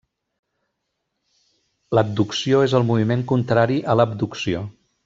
L'adducció és el moviment contrari a l'abducció.